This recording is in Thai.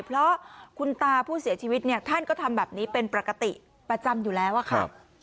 เพราะคุณตาผู้เสียชีวิตเนี่ยท่านก็ทำแบบนี้เป็นปกติประจำอยู่แล้วอะค่ะ